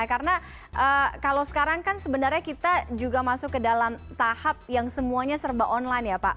karena kalau sekarang kan sebenarnya kita juga masuk ke dalam tahap yang semuanya serba online ya pak